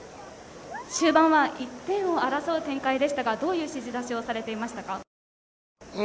終盤は１点を争う展開でしたがどういう指示出しをされていましたか？